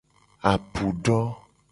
Apu do.